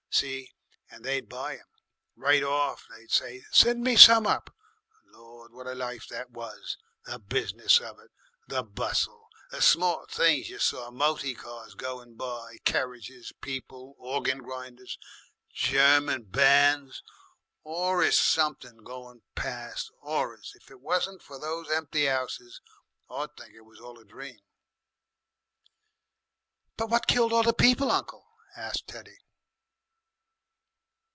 See? And they'd buy 'em. Right off they'd say, 'Send me some up.' Lord! what a life that was. The business of it, the bussel, the smart things you saw, moty cars going by, kerridges, people, organ grinders, German bands. Always something going past always. If it wasn't for those empty 'ouses, I'd think it all a dream." "But what killed all the people, uncle?" asked Teddy.